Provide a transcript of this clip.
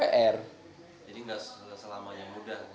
jadi gak selamanya mudah